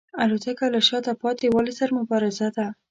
الوتکه له شاته پاتې والي سره مبارزه ده.